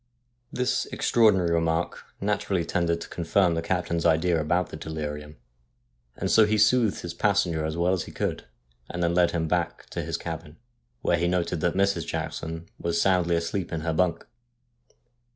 This extraordinary remark naturally tended to confirm the captain's idea about the delirium, and so he soothed his passenger as well as he could, and then led him back to his A GHOST FROM THE SEA 169 cabin, where lie noted that Mrs. Jackson was soundly asleep in her bunk.